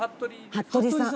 服部さん？